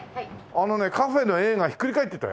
あのねＣＡＦＥの「Ａ」がひっくり返ってたよ。